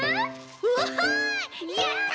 わいやった！